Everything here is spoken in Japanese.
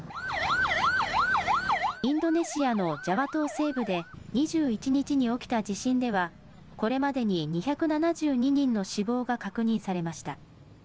インドネシアのジャワ島西部で２１日に起きた地震では、これまでに２７２人の死亡が確認されました。